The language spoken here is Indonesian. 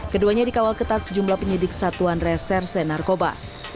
keduanya dikawal ketat sejumlah penyidik satuan reserse narkoba